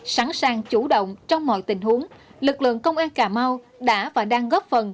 sẵn sàng chủ động trong mọi tình huống lực lượng công an cà mau đã và đang góp phần